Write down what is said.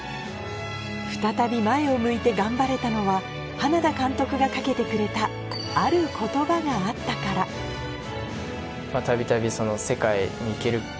再び前を向いて頑張れたのは花田監督が掛けてくれたがあったからたびたび。